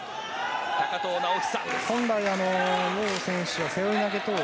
高藤直寿。